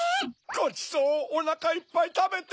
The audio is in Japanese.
ごちそうをおなかいっぱいたべて。